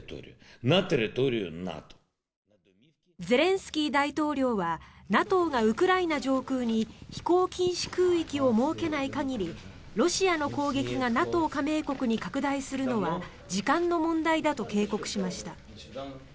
ゼレンスキー大統領はＮＡＴＯがウクライナ上空に飛行禁止空域を設けない限りロシアの攻撃がＮＡＴＯ加盟国に拡大するのは時間の問題だと警告しました。